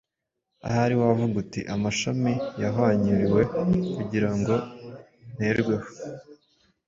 Ahari wavuga uti: ‘Amashami yahwanyuriwe kugira ngo nterweho.’